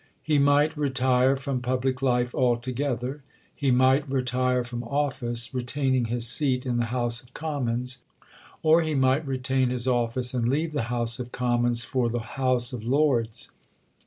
He might retire from public life altogether. He might retire from office, retaining his seat in the House of Commons. Or he might retain his office, and leave the House of Commons for the House of Lords.